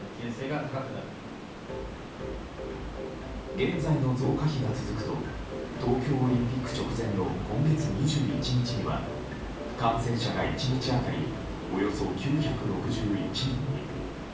現在の増加比が続くと東京オリンピック直前の今月２１日には感染者が１日当たりおよそ９６１人に。